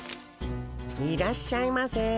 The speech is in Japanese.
いらっしゃいませ。